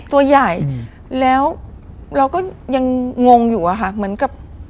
ตัวใหญ่แล้วเราก็ยังงงอยู่อะค่ะเหมือนกับ